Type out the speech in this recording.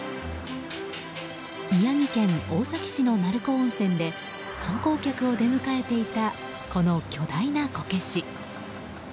宮城県大崎市の鳴子温泉で観光客を出迎えていたこの巨大なこけし。